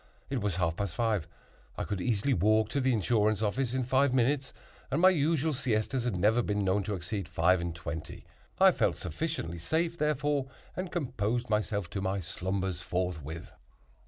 It was half past five; I could easily walk to the insurance office in five minutes; and my usual siestas had never been known to exceed five and twenty. I felt sufficiently safe, therefore, and composed myself to my slumbers forthwith.